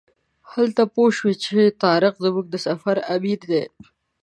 همدلته پوی شوم چې طارق زموږ د سفر امیر دی.